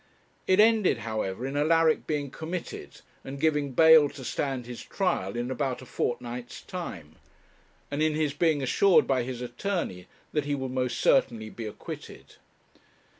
It ended, however, in Alaric being committed, and giving bail to stand his trial in about a fortnight's time; and in his being assured by his attorney that he would most certainly be acquitted.